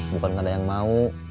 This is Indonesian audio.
bukan ada yang mau